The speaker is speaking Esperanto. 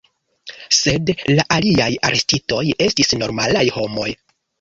Sed la aliaj arestitoj estis normalaj homoj.